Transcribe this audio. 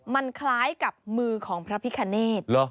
มันคล้ายกับมือของพระพิคเนธ